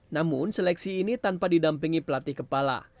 namun seleksi ini tanpa didampingi pelatih kepala